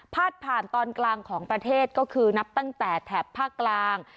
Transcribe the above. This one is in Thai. ผ่านตอนกลางของประเทศก็คือนับตั้งแต่แถบภาคกลาง